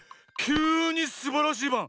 きゅうにすばらしいバン！